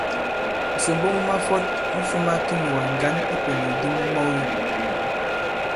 Ŋ̀sòmbo mu mafɔt mu fūma kinùgà ŋgǎn i ipènèk di mu mɔge.